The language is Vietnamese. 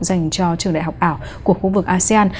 dành cho trường đại học ảo của khu vực asean